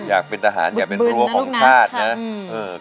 อยากเป็นทหารอยากเป็นรั้วของชาตินะ